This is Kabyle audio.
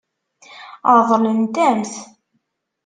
Ṛeḍlen-am-t.